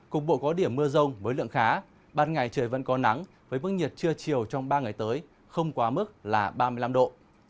cục bộ có điểm mưa rông với lượng khá ban ngày trời vẫn có nắng với mức nhiệt trưa chiều trong ba ngày tới không quá mức là ba mươi năm độ